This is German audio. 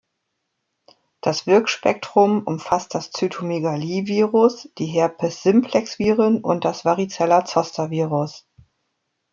Das Wirkspektrum umfasst das Cytomegalievirus, die Herpes-simplex-Viren und das Varizella-Zoster-Virus.